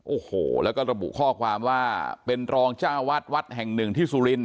โอ้โหแล้วก็ระบุข้อความว่าเป็นรองเจ้าวัดวัดแห่งหนึ่งที่สุรินท